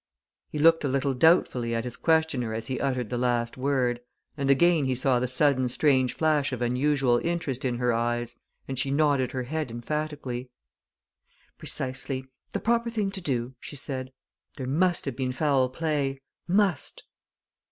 He looked a little doubtfully at his questioner as he uttered the last word, and again he saw the sudden strange flash of unusual interest in her eyes, and she nodded her head emphatically. "Precisely! the proper thing to do," she said. "There must have been foul play must!"